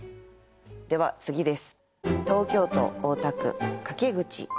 では次です。